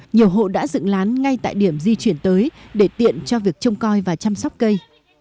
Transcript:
nhiều hộ đã dựng lán ngay tại điểm di chuyển tới để tiện cho việc trông coi và chăm sóc cây